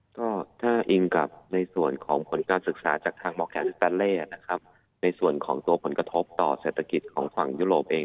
ก็ถ้าอิงกับในส่วนของผลการศึกษาจากทางมอร์แกนสตาเล่นะครับในส่วนของตัวผลกระทบต่อเศรษฐกิจของฝั่งยุโรปเอง